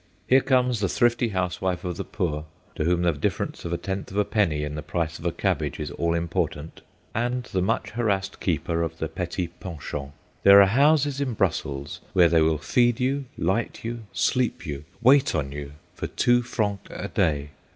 Here comes the thrifty housewife of the poor, to whom the difference of a tenth of a penny in the price of a cabbage is all important, and the much harassed keeper of the petty pension. There are houses in Brussels where they will feed you, light you, sleep you, wait on you, for two francs a day.